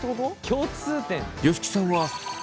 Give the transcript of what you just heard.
共通点？